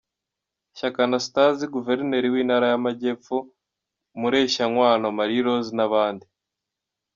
Shyaka Anastase; Guverineri w’Intara y’Amajyepfo Mureshyankwano Marie Rose n’abandi.